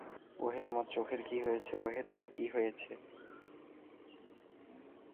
ওহে আমার চোখের কি হয়েছে, ওহে তার কী হয়েছে?